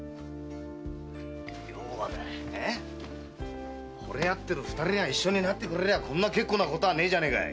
要はだ惚れ合ってる二人が一緒になってくれればこんな結構なことはないじゃねえか。